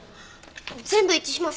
全部一致します。